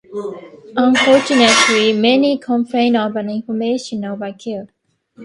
Unfortunately, many complain of an information overkill.